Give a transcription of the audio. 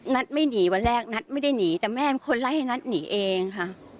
ไม่หนีวันแรกนัทไม่ได้หนีแต่แม่เป็นคนไล่ให้นัทหนีเองค่ะ